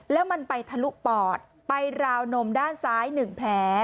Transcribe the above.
แล้วมันไปทะลุปอดไปราวนมด้านซ้าย๑แผล